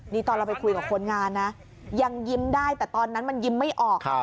นี่ตอนเราไปคุยกับคนงานนะยังยิ้มได้แต่ตอนนั้นมันยิ้มไม่ออก